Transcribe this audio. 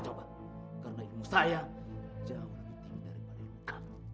jauh lebih tinggi daripada ilmu kamu